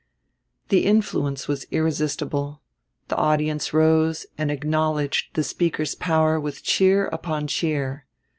The influence was irresistible; the audience rose and acknowledged the speaker's power with cheer upon cheer.